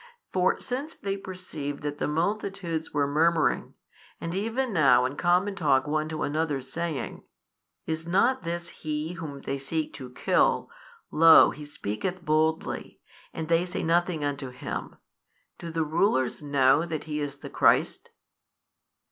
For since they perceived that the multitudes were murmuring, and even now in common talk one to another saying, Is not This He Whom they seek to kill? lo, He speaketh boldly, and they say nothing unto Him: do the rulers know that He is the Christ?